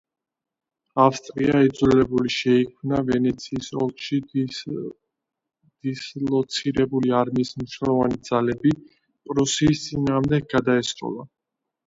ავსტრია იძულებული შეიქმნა ვენეციის ოლქში დისლოცირებული არმიის მნიშვნელოვანი ძალები პრუსიის წინააღმდეგ გადაესროლა.